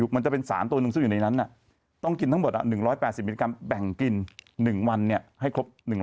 มันจะเป็นสารตัวหนึ่งซึ่งอยู่ในนั้นต้องกินทั้งหมด๑๘๐มิลลิกรัมแบ่งกิน๑วันให้ครบ๑๐๐